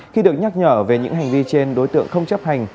khi được nhắc nhở về những hành vi trên đối tượng không chấp hành